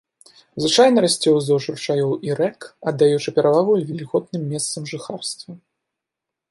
Звычайна расце ўздоўж ручаёў і рэк, аддаючы перавагу вільготным месцам жыхарства.